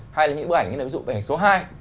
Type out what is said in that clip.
hay là những bức ảnh như là ví dụ bức ảnh số hai